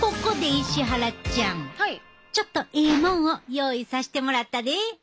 ちょっとええもんを用意させてもらったで！